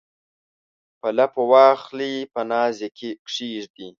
په لپو واخلي په ناز یې کښیږدي